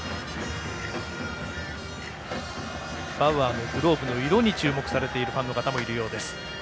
バウアーのグローブの色に注目されているファンの方もいるようです。